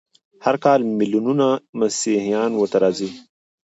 هر کال ملیونونه مسیحیان ورته راځي.